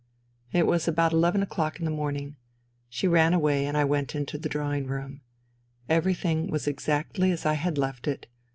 It was about eleven o'clock in the morning. She ran away, and I went into the drawing room. Every thing was exactly as I had left it.